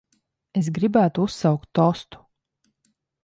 Es gribētu uzsaukt tostu.